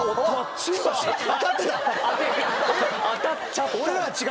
えっ⁉当たっちゃった。